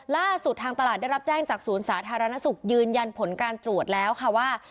ล่าสุดทางตลาดได้รับแจ้งจากศูนย์สาธารณสุขยืนยันผลการตรวจแล้วค่ะว่า